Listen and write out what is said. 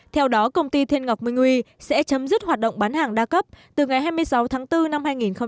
theo đó công ty thiên ngọc minh huy sẽ chấm dứt hoạt động bán hàng đa cấp từ ngày hai mươi sáu tháng bốn năm hai nghìn hai mươi